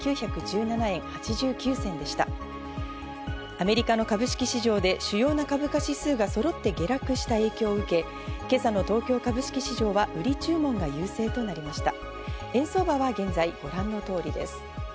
アメリカの株式市場で主要な株価指数がそろって下落した影響を受け、今朝の東京株式市場は売り注文が優勢となりました。